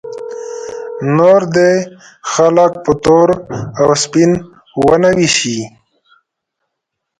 نور دې خلک په تور او سپین ونه ویشي.